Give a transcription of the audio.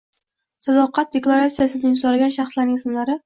Sadoqat deklaratsiyasini imzolagan shaxslarning ismlari